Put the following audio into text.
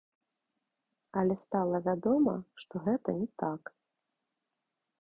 Але стала вядома, што гэта не так.